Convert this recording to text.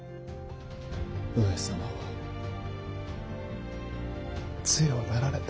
上様は強うなられた。